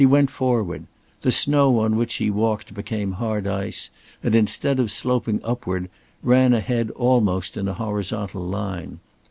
He went forward. The snow on which he walked became hard ice, and instead of sloping upward ran ahead almost in a horizontal line.